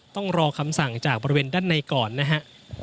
ต้องรอคำสั่งจากบริเวณด้านในก่อนนะฮะ